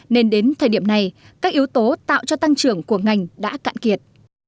nên đến thời điểm này các yếu tố tạo cho tăng trưởng của ngành đã cạn kiệt